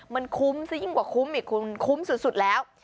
มันคุ้มซะยิ่งกว่าคุ้มอีกคุณคุ้มสุดแล้ว